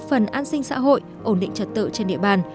văn sinh xã hội ổn định trật tự trên địa bàn